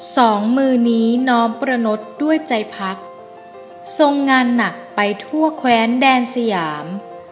สองมือนี้น้อมประนดด้วยใจพักทรงงานหนักไปทั่วแคว้นแดนสยาม